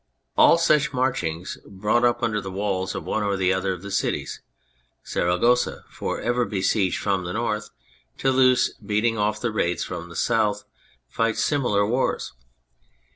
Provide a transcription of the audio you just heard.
All such marchings brought up under the walls of one or other of the cities : Saragossa for ever besieged from the North, Toulouse beating off the raids from the South, fight similar wars.